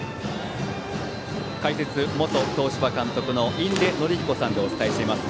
解説、元東芝監督の印出順彦さんでお伝えしています。